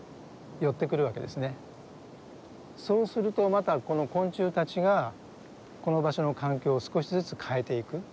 そうするとまたこの昆虫たちがこの場所の環境を少しずつ変えていく。